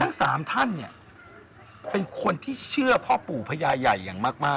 ทั้งสามท่านเนี่ยเป็นคนที่เชื่อพ่อปู่พญาใหญ่อย่างมาก